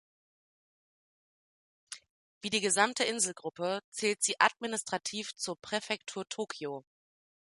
Wie die gesamte Inselgruppe zählt sie administrativ zur Präfektur Tokio.